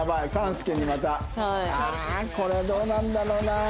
ああこれどうなんだろうな。